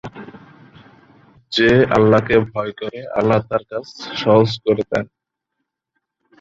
যে আল্লাহকে ভয় করে, আল্লাহ তার কাজ সহজ করে দেন।